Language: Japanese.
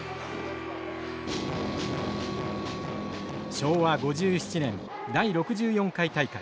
昭和５７年第６４回大会。